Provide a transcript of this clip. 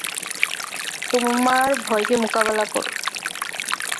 তোমার ভয়কে মোকাবিলা করো।